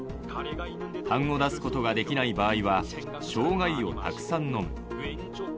たんを出すことができない場合は、しょうが湯をたくさん飲む。